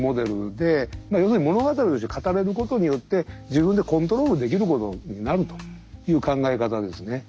要するに物語として語れることによって自分でコントロールできることになるという考え方ですね。